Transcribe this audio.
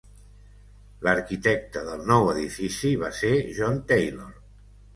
L'arquitecte del nou edifici va ser John Taylor.